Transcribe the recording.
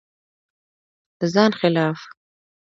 د ځان خلاف